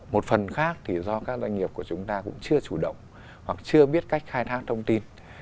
một phần khác thì do các doanh nghiệp của chúng ta cũng chưa chủ động hoặc chưa biết cách khai thác thông tin